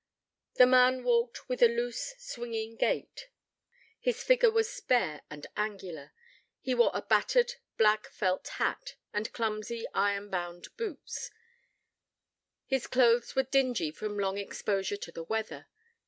The man walked with a loose, swinging gait. His figure was spare and angular: he wore a battered, black felt hat and clumsy, iron bound boots: his clothes were dingy from long exposure to the weather.